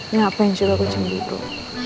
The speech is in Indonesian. ngapain juga aku cemburu